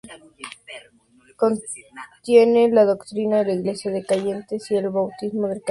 Contiene la doctrina de la iglesia de creyentes y el bautismo del creyente.